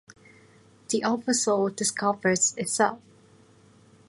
The Oversoul discovers itself.